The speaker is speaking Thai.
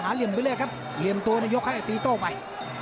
เหลี่ยมไปเลยครับเหลี่ยมตัวในยกให้ตีโต้ไป